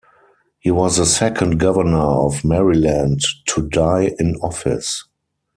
He was the second governor of Maryland to die in office.